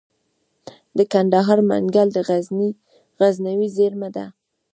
د کندهار منگل د غزنوي زیرمه ده